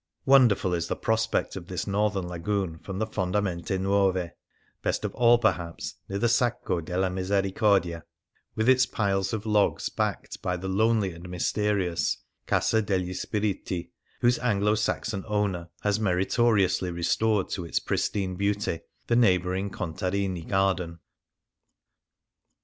Wonderful is the prospect of this northern lagoon from the Fondamente Nuove ; best of all, perhaps, near the Sacco della Misericordia, with its piles of logs backed by the lonely and mysterious ^^ Casa degli Spiriti," whose Anglo 97 G Things Seen in Venice Saxon owner has meritoriously restored to its pristine beauty the neighbouring Contarini garden.